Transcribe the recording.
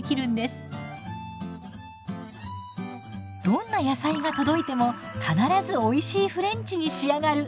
どんな野菜が届いても必ずおいしいフレンチに仕上がる！